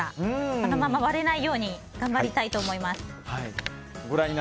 このまま割れないように頑張りたいと思います。